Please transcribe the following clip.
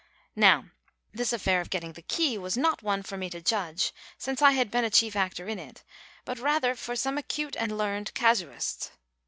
Now, this affair of getting the key was not one for me to judge, since Ihad been a chief actor in it, but rather for some acute and learned casuist.